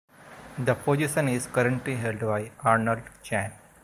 The position is currently held by Arnold Chan.